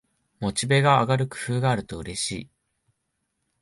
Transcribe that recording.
モチベが上がる工夫があるとうれしい